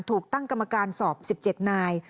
ถูกตั้งกรรมการสอบ๑๗นาย